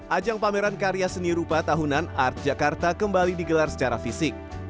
ajang pameran karya seni rupa tahunan art jakarta kembali digelar secara fisik